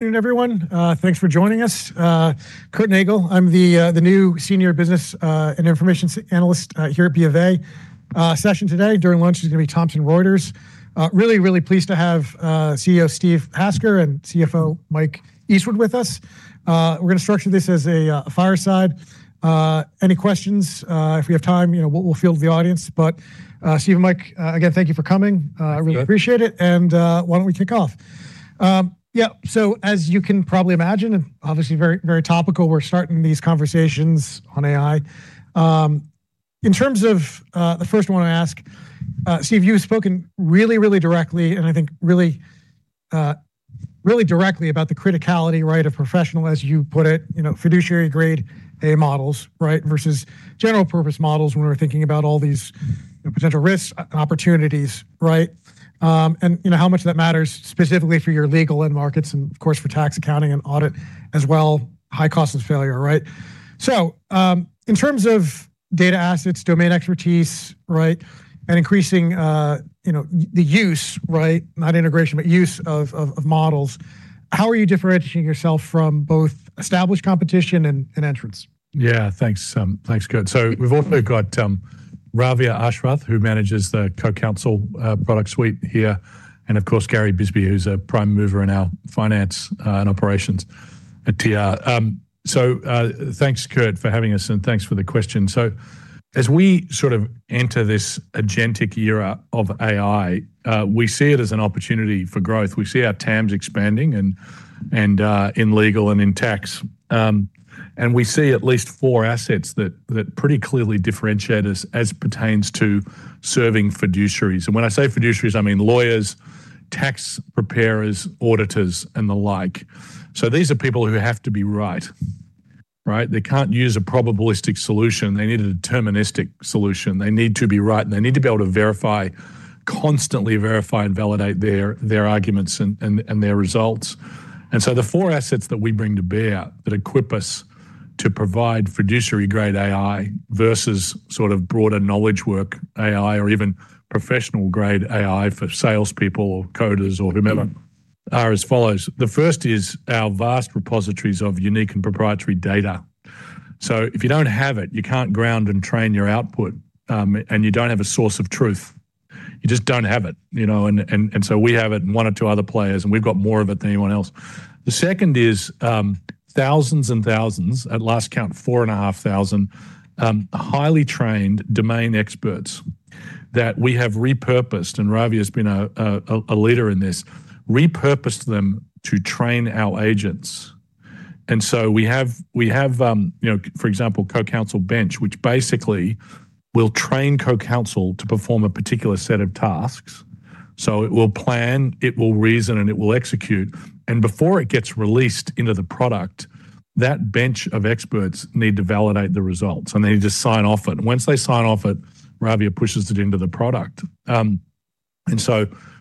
Good evening everyone. Thanks for joining us. Curt Nagle, I'm the new senior business and information services analyst here at BofA. Session today during lunch is gonna be Thomson Reuters. Really pleased to have CEO Steve Hasker and CFO Mike Eastwood with us. We're gonna structure this as a fireside. Any questions, if we have time, you know, we'll field from the audience. Steve and Mike, again, thank you for coming. You bet. I really appreciate it. Why don't we kick off? Yeah, as you can probably imagine, and obviously very, very topical, we're starting these conversations on AI. In terms of the first one I wanna ask, Steve, you've spoken really, really directly and I think really directly about the criticality, right, of professional, as you put it. You know, fiduciary grade A models, right, versus general purpose models when we're thinking about all these, you know, potential risks, opportunities, right? And you know, how much that matters specifically for your legal end markets and of course for tax accounting and audit as well. High cost of failure, right? In terms of data assets, domain expertise, right, and increasing, you know, the use, right, not integration, but use of models, how are you differentiating yourself from both established competition and entrants? Yeah, thanks, Curt. We've also got Sai Ishwarbharath, who manages the CoCounsel product suite here, and of course, Gary Bisbee, who's a prime mover in our finance and operations at TR. Thanks Curt for having us, and thanks for the question. As we sort of enter this agentic era of AI, we see it as an opportunity for growth. We see our TAMs expanding and in legal and in tax. We see at least four assets that pretty clearly differentiate us as pertains to serving fiduciaries. When I say fiduciaries, I mean lawyers, tax preparers, auditors, and the like. These are people who have to be right? They can't use a probabilistic solution. They need a deterministic solution. They need to be right, and they need to be able to verify, constantly verify and validate their arguments and their results. The four assets that we bring to bear that equip us to provide fiduciary grade AI versus sort of broader knowledge work AI or even professional grade AI for salespeople or coders or whomever are as follows. The first is our vast repositories of unique and proprietary data. So if you don't have it, you can't ground and train your output, and you don't have a source of truth. You just don't have it, you know. So we have it in one or two other players, and we've got more of it than anyone else. The second is thousands and thousands, at last count, 4,500 highly trained domain experts that we have repurposed, and Ravia has been a leader in this. Repurposed them to train our agents. We have, you know, for example, CoCounsel Bench, which basically will train CoCounsel to perform a particular set of tasks. It will plan, it will reason, and it will execute. Before it gets released into the product, that bench of experts need to validate the results, and they need to sign off it. Once they sign off it, Ravia pushes it into the product.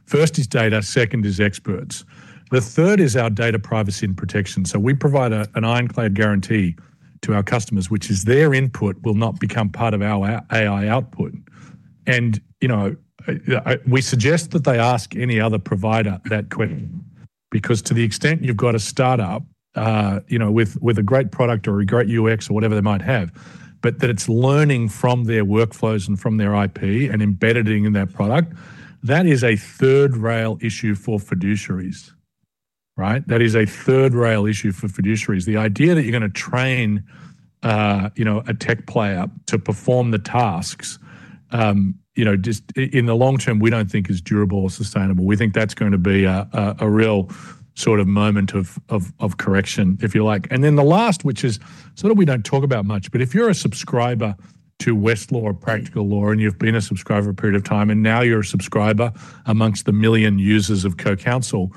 First is data, second is experts. The third is our data privacy and protection. We provide an ironclad guarantee to our customers, which is their input will not become part of our AI output. We suggest that they ask any other provider that question, because to the extent you've got a startup with a great product or a great UX or whatever they might have, but that it's learning from their workflows and from their IP and embedded in their product, that is a third rail issue for fiduciaries, right. That is a third rail issue for fiduciaries. The idea that you're gonna train a tech player to perform the tasks just in the long term, we don't think is durable or sustainable. We think that's gonna be a real sort of moment of correction, if you like. The last, which is sort of we don't talk about much, but if you're a subscriber to Westlaw or Practical Law, and you've been a subscriber a period of time, and now you're a subscriber amongst the 1 million users of CoCounsel,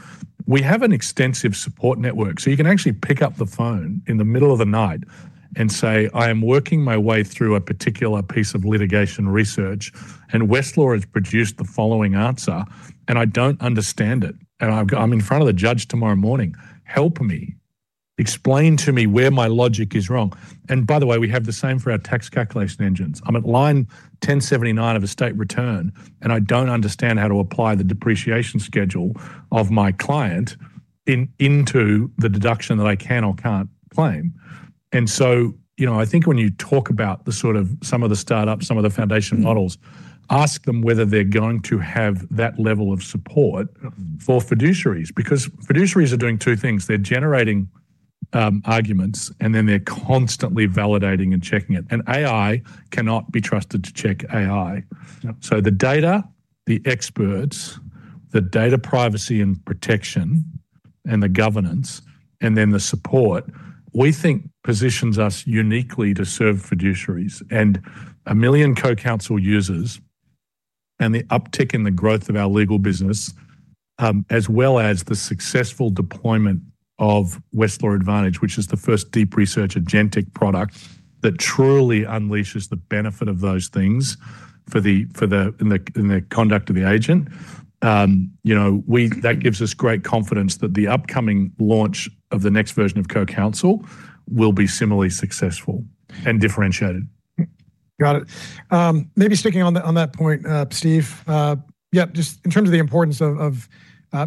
we have an extensive support network. You can actually pick up the phone in the middle of the night and say, "I am working my way through a particular piece of litigation research, and Westlaw has produced the following answer, and I don't understand it. And I'm in front of the judge tomorrow morning. Help me. Explain to me where my logic is wrong." By the way, we have the same for our tax calculation engines. I'm at line 1,079 of a state return, and I don't understand how to apply the depreciation schedule of my client into the deduction that I can or can't claim." You know, I think when you talk about the sort of some of the startups, some of the foundation models, ask them whether they're going to have that level of support for fiduciaries, because fiduciaries are doing two things. They're generating arguments, and then they're constantly validating and checking it. AI cannot be trusted to check AI. Yep. The data, the experts, the data privacy and protection, and the governance, and then the support, we think positions us uniquely to serve fiduciaries. 1 million CoCounsel users and the uptick in the growth of our legal business, as well as the successful deployment of Westlaw Advantage, which is the first deep research agentic product that truly unleashes the benefit of those things in the conduct of the agent. You know, that gives us great confidence that the upcoming launch of the next version of CoCounsel will be similarly successful and differentiated. Got it. Maybe sticking on that point, Steve. Yeah, just in terms of the importance of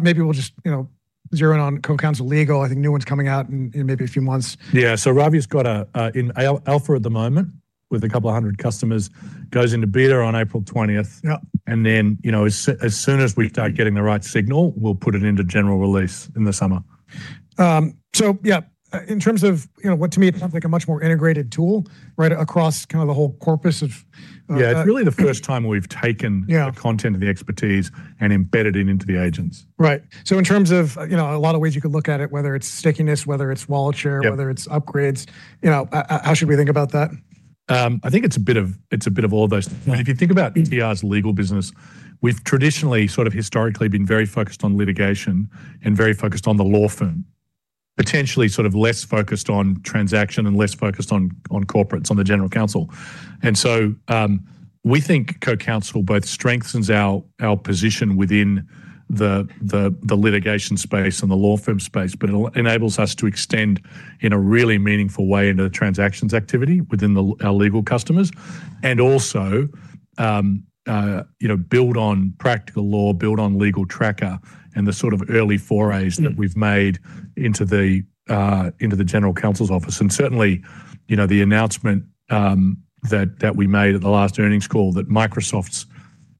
maybe we'll just, you know, zero in on CoCounsel Legal. I think new one's coming out in maybe a few months. Sai Ishwarbharath has got in alpha at the moment with a couple of hundred customers. Goes into beta on April 20th. Yep. You know, as soon as we start getting the right signal, we'll put it into general release in the summer. Yeah. In terms of, you know, what to me it sounds like a much more integrated tool right across kinda the whole corpus of? Yeah. It's really the first time we've taken. Yeah, The content and the expertise and embedded it into the agents. Right. In terms of, you know, a lot of ways you could look at it, whether it's stickiness, whether it's wallet share. Yep. Whether it's upgrades, you know, how should we think about that? I think it's a bit of all those things. Right. If you think about TR's legal business, we've traditionally sort of historically been very focused on litigation and very focused on the law firm. Potentially sort of less focused on transaction and less focused on corporates, on the general counsel. We think CoCounsel both strengthens our position within the litigation space and the law firm space, but it enables us to extend in a really meaningful way into the transactions activity within our legal customers and also, you know, build on Practical Law, build on Legal Tracker, and the sort of early forays. Mm-hmm. That we've made into the general counsel's office. Certainly, you know, the announcement that we made at the last earnings call that Microsoft's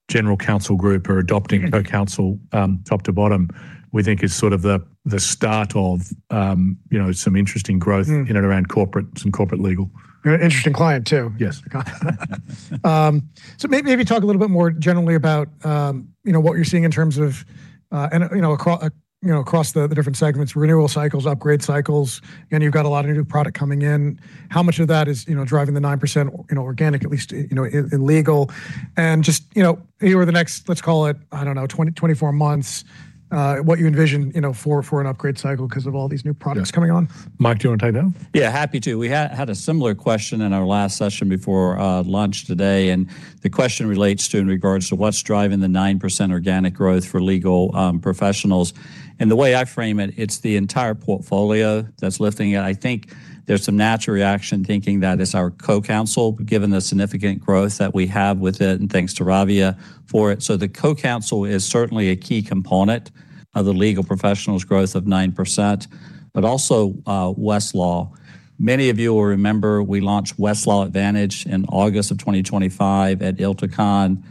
general counsel group are adopting- Mm-hmm. CoCounsel, top to bottom, we think is sort of the start of, you know, some interesting growth. Mm-hmm. In and around corporate, some corporate legal. An interesting client too. Yes. Maybe talk a little bit more generally about, you know, what you're seeing in terms of, you know, across the different segments, renewal cycles, upgrade cycles, and you've got a lot of new product coming in? How much of that is, you know, driving the 9% organic at least, you know, in legal? Just, you know, over the next, let's call it, I don't know, 24 months, what you envision, you know, for an upgrade cycle 'cause of all these new products coming on. Yeah. Mike, do you wanna take that? Yeah, happy to. We had a similar question in our last session before lunch today, and the question relates to in regards to what's driving the 9% organic growth for legal professionals. The way I frame it's the entire portfolio that's lifting it. I think there's some natural reaction thinking that it's our CoCounsel, given the significant growth that we have with it, and thanks to Ravi for it. The CoCounsel is certainly a key component of the legal professionals' growth of 9%, but also Westlaw. Many of you will remember we launched Westlaw Advantage in August of 2025 at ILTACON.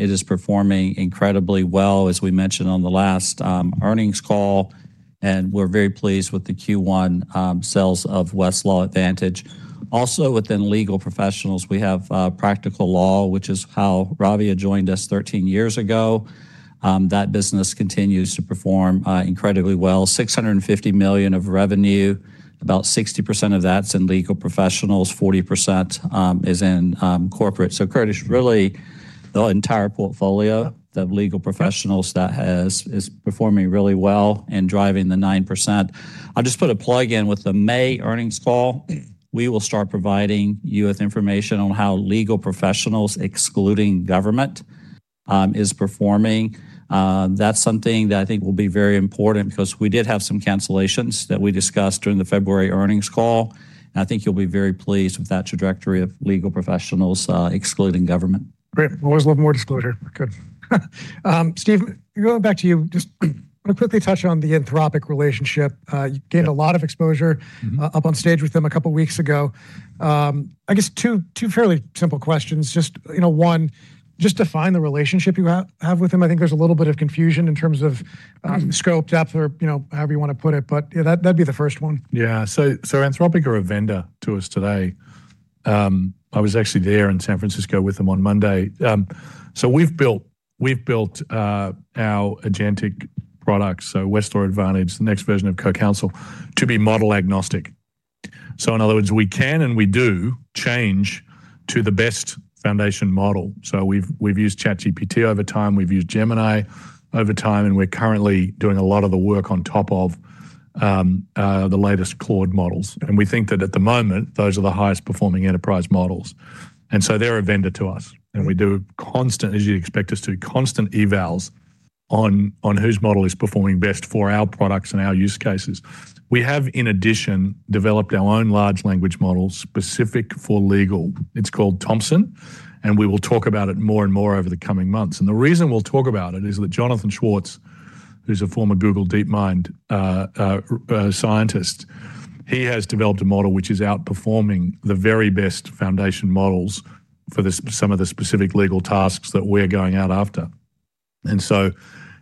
It is performing incredibly well, as we mentioned on the last earnings call, and we're very pleased with the Q1 sales of Westlaw Advantage. Also within legal professionals, we have Practical Law, which is how Ravi joined us 13 years ago. That business continues to perform incredibly well. $650 million of revenue, about 60% of that's in legal professionals, 40% is in corporate. Curtis, really the entire portfolio, the legal professionals that has, is performing really well and driving the 9%. I'll just put a plug in with the May earnings call. We will start providing you with information on how legal professionals, excluding government, is performing. That's something that I think will be very important 'cause we did have some cancellations that we discussed during the February earnings call. I think you'll be very pleased with that trajectory of legal professionals, excluding government. Great. Always love more disclosure. Good. Steve, going back to you. Just wanna quickly touch on the Anthropic relationship. You gained a lot of exposure- Mm-hmm. Up on stage with them a couple weeks ago. I guess two fairly simple questions. Just, you know, one, just define the relationship you have with them? I think there's a little bit of confusion in terms of scope, depth, or, you know, however you wanna put it, but yeah, that'd be the first one. Yeah. Anthropic are a vendor to us today. I was actually there in San Francisco with them on Monday. We've built our agentic products, Westlaw Advantage, the next version of CoCounsel, to be model agnostic. In other words, we can and we do change to the best foundation model. We've used ChatGPT over time, we've used Gemini over time, and we're currently doing a lot of the work on top of the latest Claude models. We think that at the moment, those are the highest performing enterprise models. They're a vendor to us. We do constant evals, as you'd expect us to, on whose model is performing best for our products and our use cases. We have, in addition, developed our own large language model specific for legal. It's called Thomson, and we will talk about it more and more over the coming months. The reason we'll talk about it is that Jonathan Schwartz, who's a former Google DeepMind scientist, he has developed a model which is outperforming the very best foundation models for some of the specific legal tasks that we're going out after.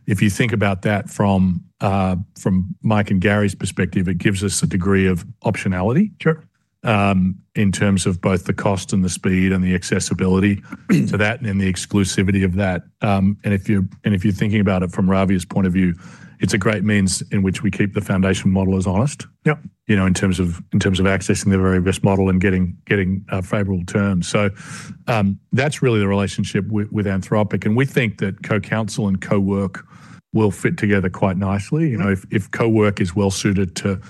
If you think about that from Mike and Gary's perspective, it gives us a degree of optionality- Sure. In terms of both the cost and the speed and the accessibility to that and the exclusivity of that. If you're thinking about it from Ravi's point of view, it's a great means in which we keep the foundation modelers honest. Yep. You know, in terms of accessing the very best model and getting favorable terms. That's really the relationship with Anthropic, and we think that CoCounsel and Cowork will fit together quite nicely. You know, if Cowork is well suited to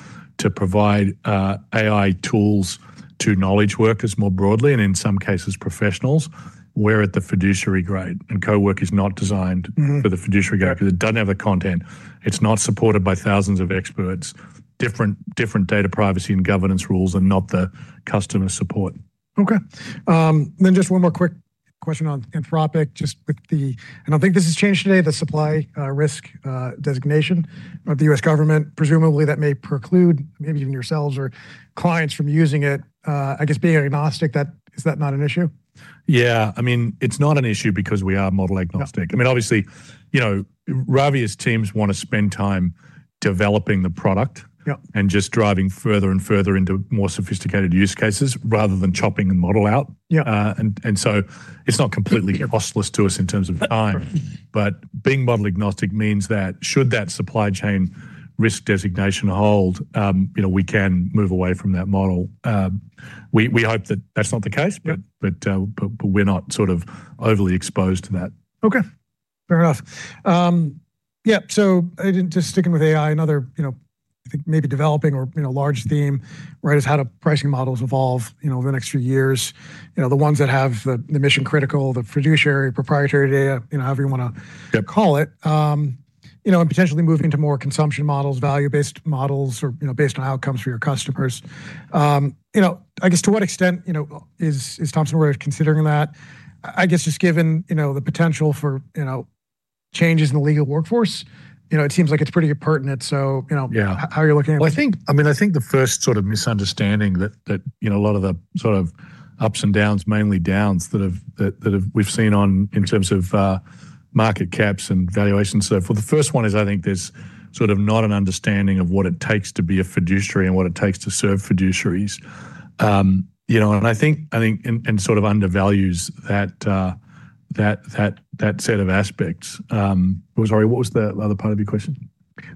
provide AI tools to knowledge workers more broadly, and in some cases professionals, we're at the fiduciary grade, and Cowork is not designed. Mm-hmm. ...For the fiduciary grade because it doesn't have the content. It's not supported by thousands of experts. Different data privacy and governance rules, and not the customer support. Just one more quick question on Anthropic, just with the supply risk designation of the U.S. government. I don't think this has changed today. Presumably, that may preclude maybe even yourselves or clients from using it. I guess being agnostic, is that not an issue? Yeah. I mean, it's not an issue because we are model agnostic. Yeah. I mean, obviously, you know, Sai Ishwarbharath's teams wanna spend time developing the product. Yep. Just driving further and further into more sophisticated use cases rather than chopping the model out. Yep. It's not completely costless to us in terms of time. Being model agnostic means that should that supply chain risk designation hold, you know, we can move away from that model. We hope that that's not the case. Yep. We're not sort of overly exposed to that. Okay. Fair enough. Yep, just sticking with AI, another, you know, I think maybe developing or, you know, large theme, right, is how do pricing models evolve, you know, over the next few years. You know, the ones that have the mission-critical, the fiduciary, proprietary data, you know, however you wanna. Yep.... Call it. You know, potentially moving to more consumption models, value-based models or, you know, based on outcomes for your customers. You know, I guess to what extent, you know, is Thomson Reuters considering that? I guess just given, you know, the potential for, you know, changes in the legal workforce, you know, it seems like it's pretty pertinent. You know- Yeah. How are you looking at it? I mean, I think the first sort of misunderstanding that you know a lot of the sort of ups and downs, mainly downs, that we've seen in terms of market caps and valuations and so forth. The first one is I think there's sort of not an understanding of what it takes to be a fiduciary and what it takes to serve fiduciaries. You know, and I think and sort of undervalues that set of aspects. Sorry, what was the other part of your question?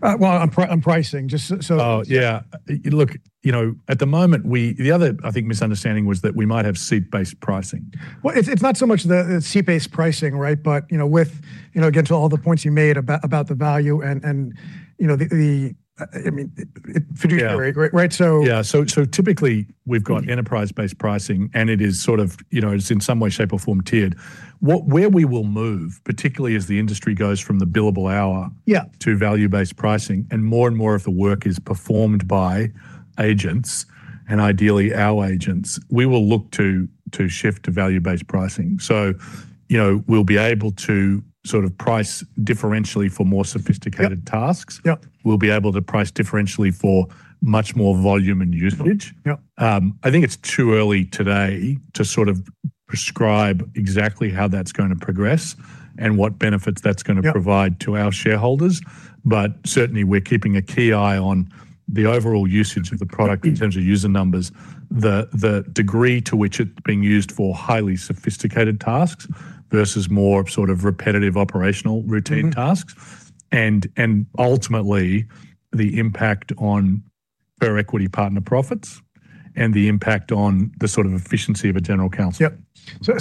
Well, on pricing. Just so. Oh, yeah. Look, you know, at the moment, the other, I think, misunderstanding was that we might have seat-based pricing. Well, it's not so much the seat-based pricing, right? But you know, with you know, again, to all the points you made about the value and you know, the I mean, it fiduciary. Yeah. Right? Yeah. Typically, we've got enterprise-based pricing, and it is sort of, you know, it's in some way, shape, or form tiered. Where we will move, particularly as the industry goes from the billable hour. Yeah. To value-based pricing, and more and more of the work is performed by agents, and ideally our agents, we will look to shift to value-based pricing. You know, we'll be able to sort of price differentially for more sophisticated tasks. Yep. We'll be able to price differentially for much more volume and usage. Yep. I think it's too early today to sort of prescribe exactly how that's gonna progress and what benefits that's gonna provide. Yep. To our shareholders. Certainly, we're keeping a keen eye on the overall usage of the product in terms of user numbers, the degree to which it's being used for highly sophisticated tasks versus more sort of repetitive operational routine tasks. Mm-hmm. Ultimately, the impact on fair equity partner profits and the impact on the sort of efficiency of a general counsel. Yep.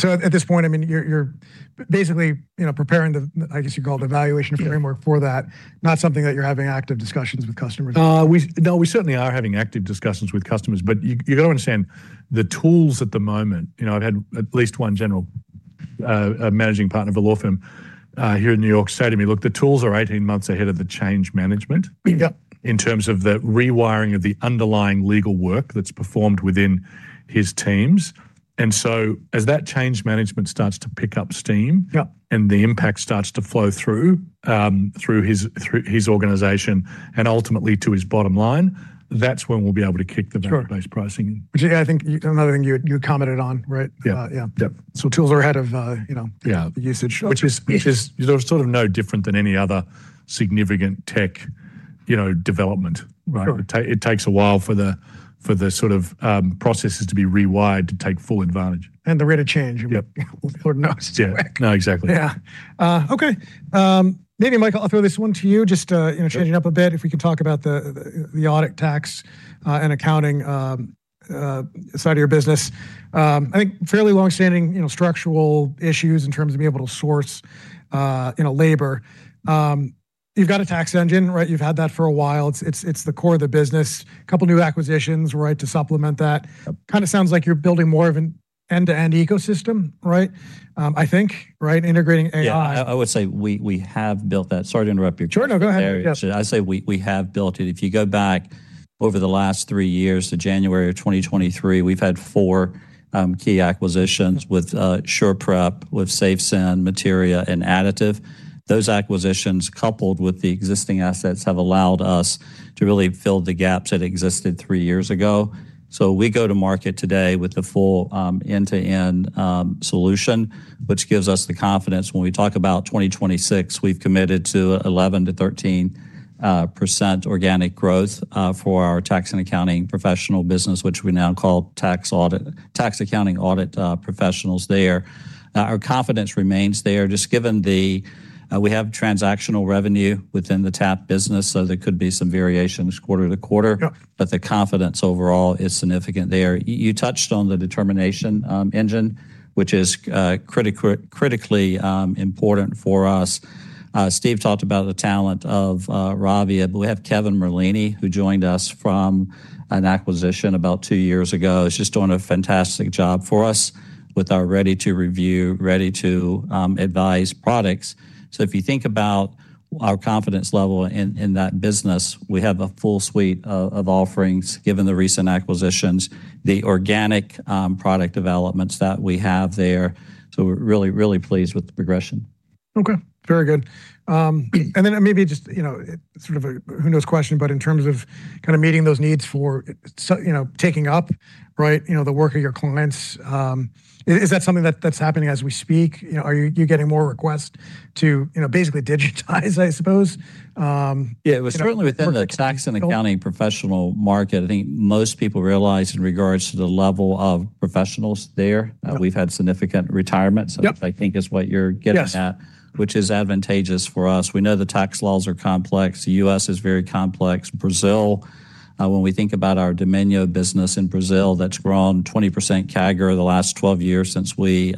At this point, I mean, you're basically, you know, preparing the, I guess you'd call it, evaluation framework for that, not something that you're having active discussions with customers. No, we certainly are having active discussions with customers, but you gotta understand, the tools at the moment, you know, I've had at least one general managing partner of a law firm here in New York say to me, "Look, the tools are 18 months ahead of the change management- Yep. In terms of the rewiring of the underlying legal work that's performed within his teams. As that change management starts to pick up steam. Yep. The impact starts to flow through his organization and ultimately to his bottom line. That's when we'll be able to kick the value-based pricing. Sure. Which I think another thing you commented on, right? Yeah. Yeah. Yep. Tools are ahead of, you know. Yeah. The usage. Which is sort of no different than any other significant tech, you know, development. Right. It takes a while for the sort of processes to be rewired to take full advantage. The rate of change. Yep. Lord knows. Yeah. No, exactly. Yeah. Okay. Maybe, Mike, I'll throw this one to you. Just, you know, changing up a bit, if we could talk about the audit tax and accounting side of your business? I think fairly long-standing, you know, structural issues in terms of being able to source, you know, labor. You've got a tax engine, right? You've had that for a while. It's the core of the business. Couple new acquisitions, right, to supplement that. Yep. Kinda sounds like you're building more of an end-to-end ecosystem, right? I think, right? Integrating AI. Yeah. I would say we have built that. Sorry to interrupt you, Curt Nagle. Sure. No, go ahead. Yeah. I say we have built it. If you go back over the last three years to January 2023, we've had four key acquisitions with SurePrep, with SafeSend, Materia, and Additive. Those acquisitions, coupled with the existing assets, have allowed us to really fill the gaps that existed three years ago. We go to market today with the full end-to-end solution, which gives us the confidence. When we talk about 2026, we've committed to 11%-13% organic growth for our tax and accounting professional business, which we now call tax, accounting, audit professionals there. Our confidence remains there, just given the we have transactional revenue within the TAP business, so there could be some variations quarter to quarter. Yeah. The confidence overall is significant there. You touched on the determination engine, which is critically important for us. Steve talked about the talent of Ravi. We have Kevin Merlini, who joined us from an acquisition about two years ago. He's just doing a fantastic job for us with our ready-to-review, ready-to advise products. If you think about our confidence level in that business, we have a full suite of offerings, given the recent acquisitions, the organic product developments that we have there. We're really, really pleased with the progression. Okay. Very good. Then maybe just, you know, sort of a who knows question, but in terms of kinda meeting those needs for so, you know, taking up, right, you know, the work of your clients, is that something that's happening as we speak? You know, are you getting more requests to, you know, basically digitize, I suppose. Yeah. It was certainly within the tax and accounting professional market. I think most people realize in regards to the level of professionals there. Yep. We've had significant retirements. Yep. Which I think is what you're getting at. Yes. Which is advantageous for us. We know the tax laws are complex. The U.S. is very complex. Brazil, when we think about our Domínio business in Brazil, that's grown 20% CAGR the last 12 years since we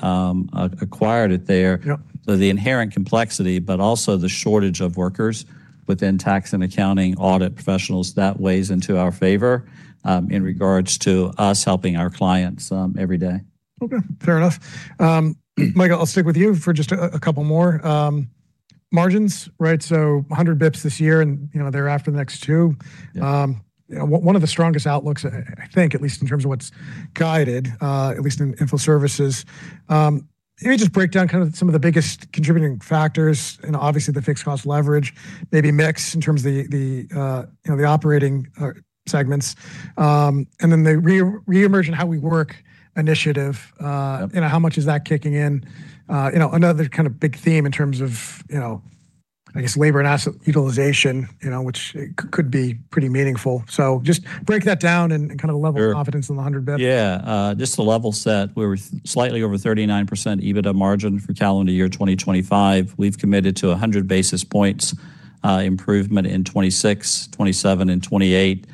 acquired it there. Yep. The inherent complexity, but also the shortage of workers within tax and accounting audit professionals, that weighs into our favor, in regards to us helping our clients, every day. Okay. Fair enough. Mike, I'll stick with you for just a couple more. Margins, right? 100 basis points this year and, you know, thereafter the next two. Yeah. You know, one of the strongest outlooks, I think at least in terms of what's guided, at least in info services. Can you just break down kind of some of the biggest contributing factors and obviously the fixed cost leverage, maybe mix in terms of the you know the operating segments, and then the reimagine how we work initiative? Yep. You know, how much is that kicking in? You know, another kind of big theme in terms of, you know, I guess labor and asset utilization, you know, which could be pretty meaningful. Just break that down and kind of level- Sure.... The confidence in the 100 bips. Yeah. Just to level set, we were slightly over 39% EBITDA margin for calendar year 2025. We've committed to 100 basis points improvement in 2026, 2027 and 2028.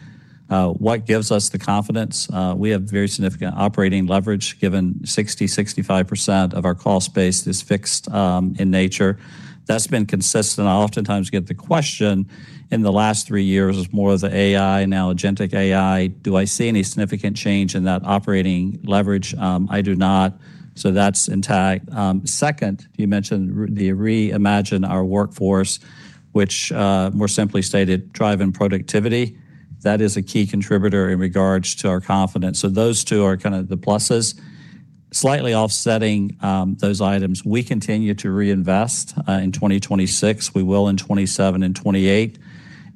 What gives us the confidence? We have very significant operating leverage given 60%-65% of our cost base is fixed in nature. That's been consistent. I oftentimes get the question in the last three years as more of the AI, now agentic AI, do I see any significant change in that operating leverage? I do not. That's intact. Second, you mentioned the reimagine our workforce, which, more simply stated, drive and productivity. That is a key contributor in regards to our confidence. Those two are kinda the pluses. Slightly offsetting those items, we continue to reinvest in 2026, we will in 2027 and 2028.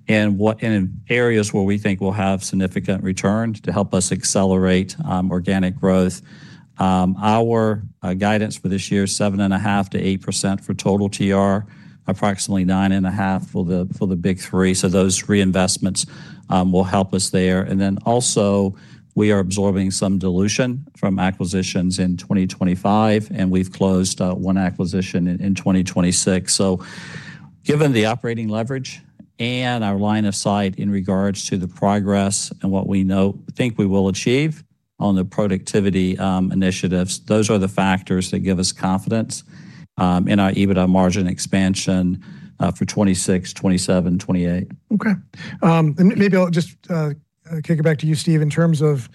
In areas where we think we'll have significant returns to help us accelerate organic growth, our guidance for this year, 7.5%-8% for total TR, approximately 9.5% for the big three. Those reinvestments will help us there. We are absorbing some dilution from acquisitions in 2025, and we've closed one acquisition in 2026. Given the operating leverage and our line of sight in regards to the progress and think we will achieve on the productivity initiatives, those are the factors that give us confidence in our EBITDA margin expansion for 2026, 2027, 2028. Okay. Maybe I'll just kick it back to you, Steve, in terms of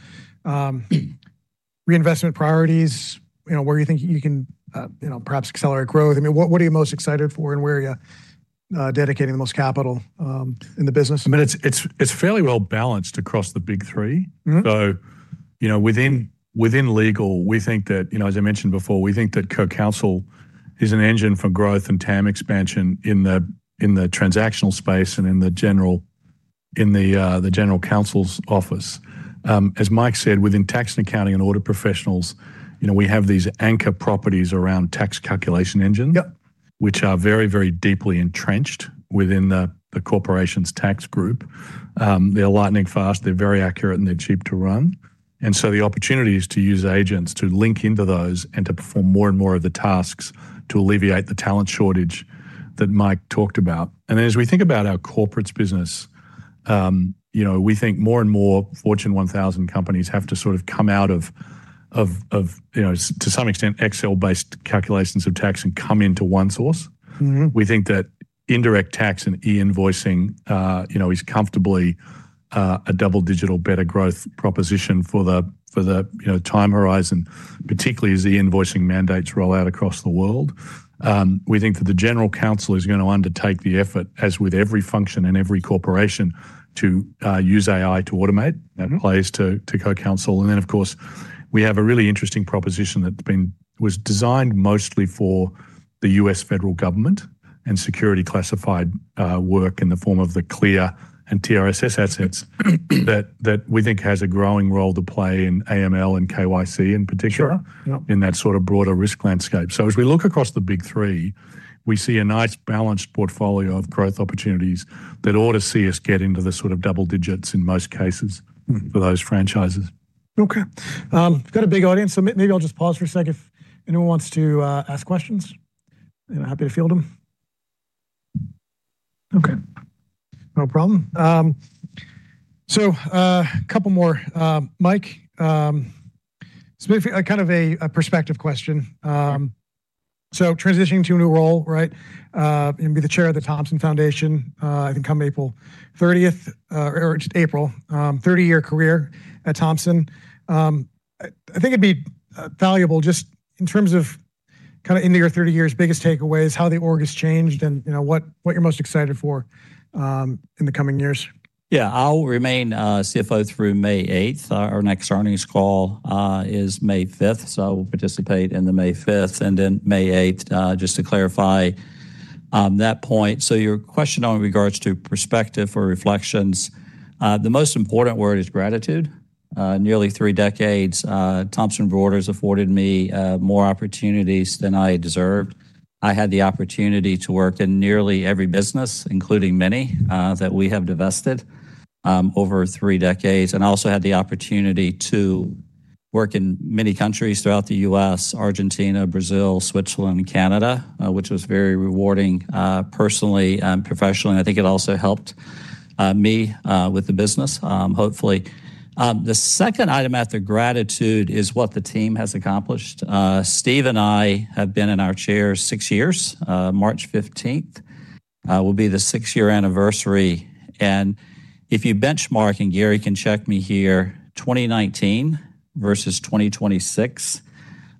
reinvestment priorities, you know, where you think you can, you know, perhaps accelerate growth. I mean, what are you most excited for, and where are you dedicating the most capital in the business? I mean, it's fairly well balanced across the big three. Mm-hmm. Within legal, you know, we think that, as I mentioned before, we think that CoCounsel is an engine for growth and TAM expansion in the transactional space and in the general counsel's office. As Mike said, within tax and accounting and audit professionals, you know, we have these anchor properties around tax calculation engine. Yep.... Which are very, very deeply entrenched within the corporation's tax group. They're lightning fast, they're very accurate, and they're cheap to run. The opportunity is to use agents to link into those and to perform more and more of the tasks to alleviate the talent shortage that Mike talked about. As we think about our corporates business, you know, we think more and more Fortune 1000 companies have to sort of come out of, to some extent, Excel-based calculations of tax and come into ONESOURCE. Mm-hmm. We think that indirect tax and e-invoicing, you know, is comfortably a double-digit or better growth proposition for the you know time horizon, particularly as the invoicing mandates roll out across the world. We think that the general counsel is gonna undertake the effort, as with every function and every corporation, to use AI to automate. Mm-hmm. That plays to CoCounsel. Then, of course, we have a really interesting proposition that was designed mostly for the U.S. federal government and security classified work in the form of the CLEAR and TRSS assets that we think has a growing role to play in AML and KYC in particular. Sure. Yep In that sort of broader risk landscape. As we look across the big three, we see a nice balanced portfolio of growth opportunities that ought to see us get into the sort of double digits in most cases. Mm-hmm. For those franchises. Okay. Got a big audience, so maybe I'll just pause for a sec if anyone wants to ask questions. I'm happy to field them. Okay. No problem. So, couple more, Mike. So kind of a perspective question. So transitioning to a new role, right, you're gonna be the chair of the Thomson Reuters Foundation, I think come April 30th, or just April. 30-year career at Thomson. I think it'd be valuable just in terms of kinda in your 30 years biggest takeaways, how the org has changed and, you know, what you're most excited for in the coming years? Yeah, I'll remain CFO through May 8th. Our next earnings call is May 5th, so I will participate in the May 5th and then May 8th, just to clarify that point. Your question on regards to perspective or reflections, the most important word is gratitude. Nearly three decades, Thomson Reuters afforded me more opportunities than I deserved. I had the opportunity to work in nearly every business, including many that we have divested over three decades. Also had the opportunity to work in many countries throughout the U.S., Argentina, Brazil, Switzerland, Canada, which was very rewarding personally and professionally, and I think it also helped me with the business, hopefully. The second item after gratitude is what the team has accomplished. Steve and I have been in our chairs six years. March 15 will be the six-year anniversary. If you benchmark, and Gary can check me here, 2019 versus 2026,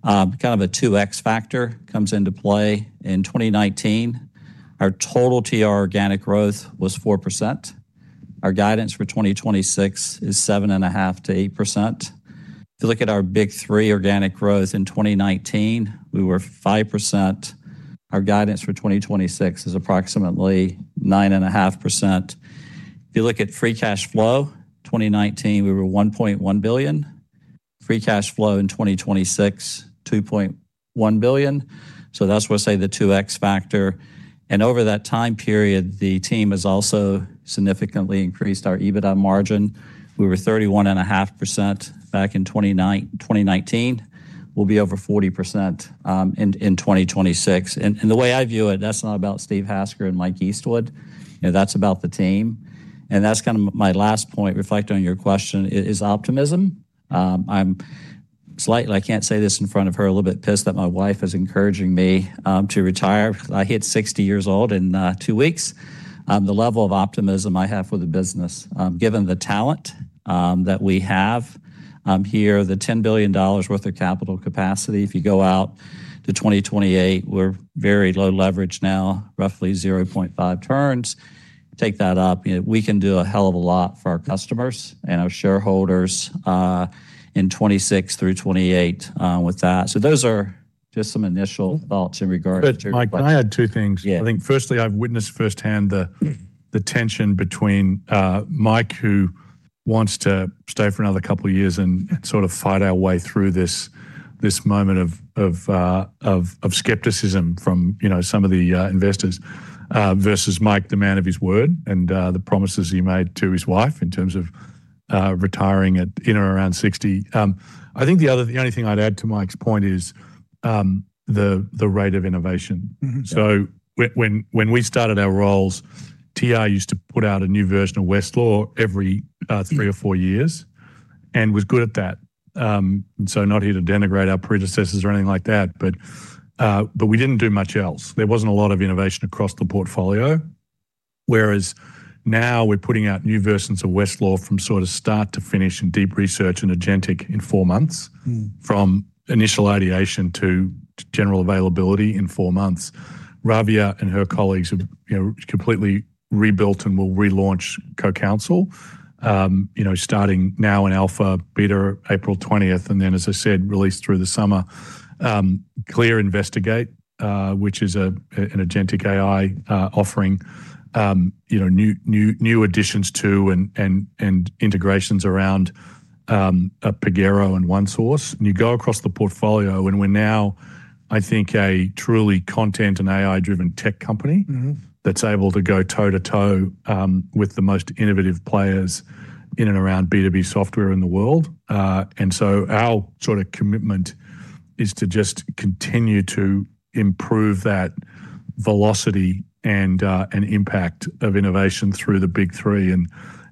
kind of a 2x factor comes into play. In 2019, our total TR organic growth was 4%. Our guidance for 2026 is 7.5%-8%. If you look at our big three organic growth in 2019, we were 5%. Our guidance for 2026 is approximately 9.5%. If you look at free cash flow, 2019, we were $1.1 billion. Free cash flow in 2026, $2.1 billion. That's why I say the 2x factor. Over that time period, the team has also significantly increased our EBITDA margin. We were 31.5% back in 2019. We'll be over 40% in 2026. The way I view it, that's not about Steve Hasker and Mike Eastwood. You know, that's about the team. That's kinda my last point, reflecting on your question is optimism. I'm slightly, I can't say this in front of her, a little bit pissed that my wife is encouraging me to retire. I hit 60 years old in two weeks. The level of optimism I have for the business, given the talent that we have here, the $10 billion worth of capital capacity. If you go out to 2028, we're very low leverage now, roughly 0.5 turns. Take that up, you know, we can do a hell of a lot for our customers and our shareholders in 2026 through 2028 with that. Those are just some initial thoughts in regards to- Mike, can I add two things? Yeah. I think firstly, I've witnessed firsthand the tension between Mike, who wants to stay for another couple of years and sort of fight our way through this moment of skepticism from, you know, some of the investors versus Mike, the man of his word, and the promises he made to his wife in terms of retiring at in or around 60. I think the only thing I'd add to Mike's point is the rate of innovation. Mm-hmm. When we started our roles, TR used to put out a new version of Westlaw every three or four years and was good at that. Not here to denigrate our predecessors or anything like that, but we didn't do much else. There wasn't a lot of innovation across the portfolio. Whereas now we're putting out new versions of Westlaw from sort of start to finish in deep research and agentic in four months. Mm. From initial ideation to general availability in four months. Ravia and her colleagues have, you know, completely rebuilt and will relaunch CoCounsel, you know, starting now in alpha, beta April 20th, and then, as I said, release through the summer. CLEAR Investigate, which is an agentic AI offering, you know, new additions to and integrations around Pagero and ONESOURCE. You go across the portfolio and we're now, I think, a truly content and AI-driven tech company. Mm-hmm. That's able to go toe-to-toe with the most innovative players in and around B2B software in the world. Our sort of commitment is to just continue to improve that velocity and impact of innovation through the big three.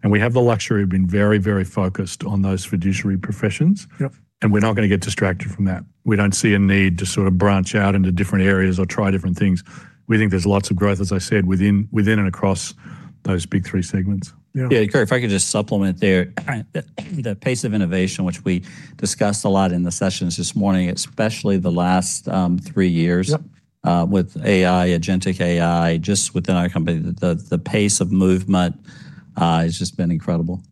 We have the luxury of being very, very focused on those fiduciary professions. Yep. We're not gonna get distracted from that. We don't see a need to sort of branch out into different areas or try different things. We think there's lots of growth, as I said, within and across those big three segments. Yeah. Yeah, Gary, if I could just supplement there. All right. The pace of innovation, which we discussed a lot in the sessions this morning, especially the last three years with AI, agentic AI, just within our company, the pace of movement has just been incredible.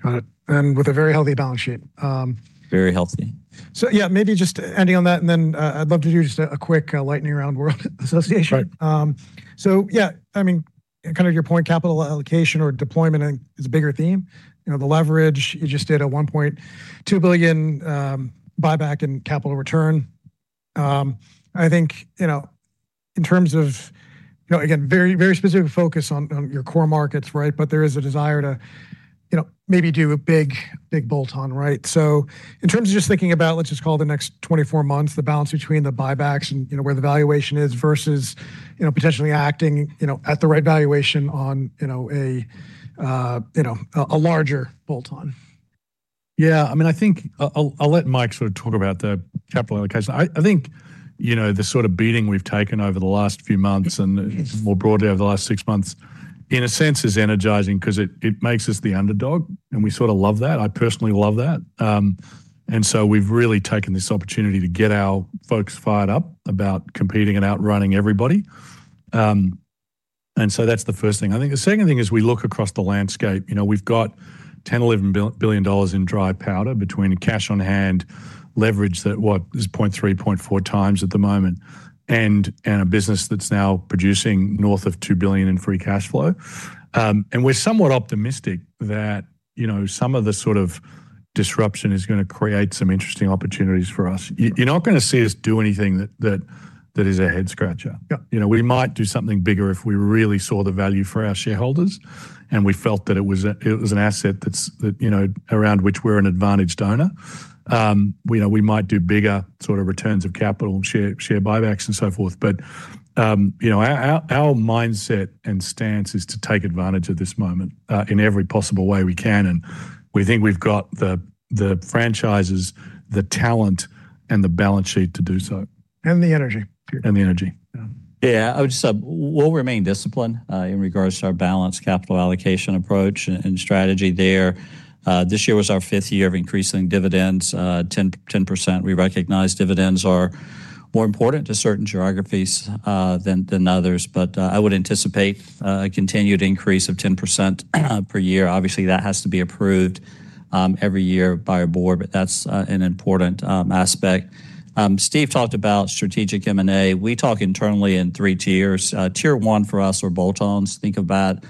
Got it. With a very healthy balance sheet. Very healthy. Yeah, maybe just ending on that, then I'd love to do just a quick lightning round word association. Right. Yeah, I mean, kind of your point, capital allocation or deployment, I think, is a bigger theme. You know, the leverage, you just did a $1.2 billion buyback and capital return. I think, you know, in terms of, you know, again, very, very specific focus on your core markets, right? There is a desire to, you know, maybe do a big bolt-on, right? In terms of just thinking about, let's just call the next 24 months, the balance between the buybacks and, you know, where the valuation is versus, you know, potentially acting, you know, at the right valuation on, you know, a larger bolt-on. Yeah. I mean, I think I'll let Mike sort of talk about the capital allocation. I think, you know, the sort of beating we've taken over the last few months and more broadly over the last six months, in a sense, is energizing 'cause it makes us the underdog, and we sorta love that. I personally love that. We've really taken this opportunity to get our folks fired up about competing and outrunning everybody. That's the first thing. I think the second thing as we look across the landscape, you know, we've got $10 billion-$11 billion in dry powder between cash on hand leverage that what is 0.3x, 0.4x at the moment, and a business that's now producing north of $2 billion in free cash flow. We're somewhat optimistic that, you know, some of the sort of disruption is gonna create some interesting opportunities for us. You're not gonna see us do anything that is a head scratcher. Yeah. You know, we might do something bigger if we really saw the value for our shareholders and we felt that it was an asset that's around which we're an advantaged owner. We know we might do bigger sort of returns of capital, share buybacks and so forth. You know, our mindset and stance is to take advantage of this moment in every possible way we can, and we think we've got the franchises, the talent and the balance sheet to do so. The energy. The energy. Yeah. Yeah. I would just add, we'll remain disciplined in regards to our balanced capital allocation approach and strategy there. This year was our fifth year of increasing dividends 10%. We recognize dividends are more important to certain geographies than others, but I would anticipate a continued increase of 10% per year. Obviously, that has to be approved every year by our board, but that's an important aspect. Steve talked about strategic M&A. We talk internally in three tiers. Tier one for us are bolt-ons. Think about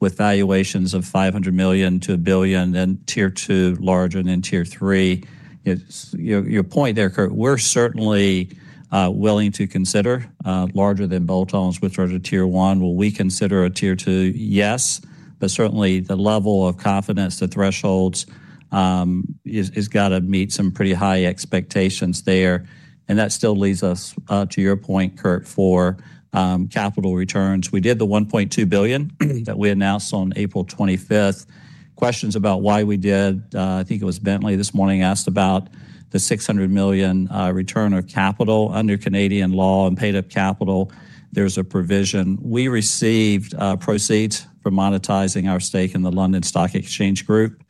with valuations of $500 million-$1 billion, and tier two larger, and then tier three is your point there, Curt. We're certainly willing to consider larger than bolt-ons, which are the tier one. Will we consider a tier two? Yes. Certainly the level of confidence, the thresholds, is gotta meet some pretty high expectations there. That still leads us to your point, Curt, for capital returns. We did the $1.2 billion that we announced on April 25th. Questions about why we did, I think it was Manav Patnaik this morning asked about the $600 million return of capital. Under Canadian law and paid up capital, there's a provision. We received proceeds from monetizing our stake in the London Stock Exchange Group,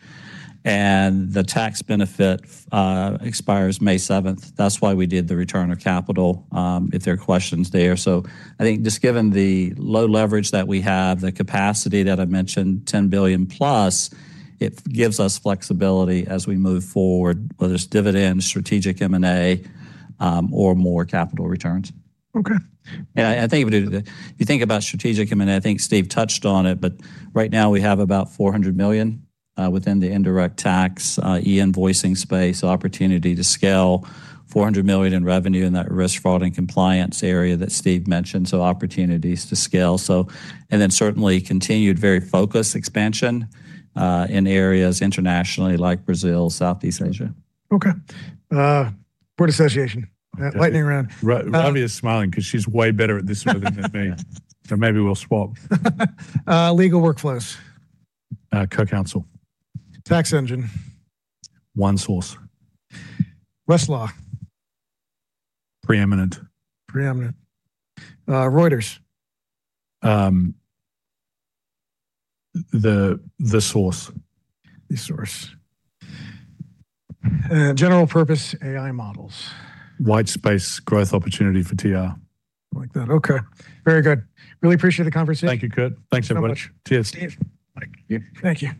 and the tax benefit expires May 7th. That's why we did the return of capital, if there are questions there. I think just given the low leverage that we have, the capacity that I mentioned, $10 billion plus, it gives us flexibility as we move forward, whether it's dividends, strategic M&A, or more capital returns. Okay. Yeah, I think if you think about strategic M&A, I think Steve touched on it, but right now we have about $400 million within the indirect tax e-invoicing space, opportunity to scale $400 million in revenue in that risk, fraud, and compliance area that Steve mentioned, so opportunities to scale. And then certainly continued very focused expansion in areas internationally like Brazil, Southeast Asia. Okay. Word association. Okay. Lightning round. Ravia is smiling 'cause she's way better at this one than me. Maybe we'll swap. Legal Workflows. CoCounsel. TaxEngine. ONESOURCE. Westlaw. Preeminent. Preeminent. Reuters. The source. The source. General purpose AI models. White space growth opportunity for TR. I like that. Okay. Very good. Really appreciate the conversation. Thank you, Curt. Thanks so much. Thank you so much. Cheers. Steve. Thank you. Thank you.